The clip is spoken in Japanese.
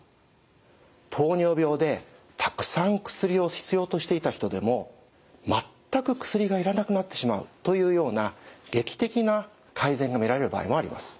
糖尿病でたくさん薬を必要としていた人でも全く薬が要らなくなってしまうというような劇的な改善が見られる場合もあります。